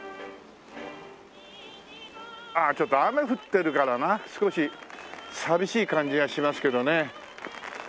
ああちょっと雨降ってるからな少し寂しい感じがしますけどね。